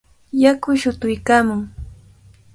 Yaku shutuykaamun.